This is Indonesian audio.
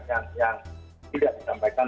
yang tidak disampaikan